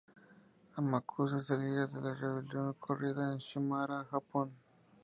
Amakusa es el líder de una rebelión ocurrida en Shimabara, Japón.